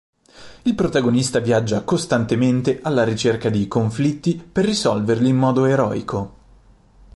Il protagonista viaggia costantemente alla ricerca di conflitti per risolverli in modo eroico.